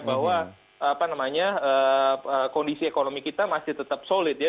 bahwa kondisi ekonomi kita masih tetap solid ya